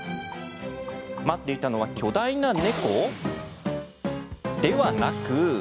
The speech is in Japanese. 待っていたのは、巨大な猫？ではなく。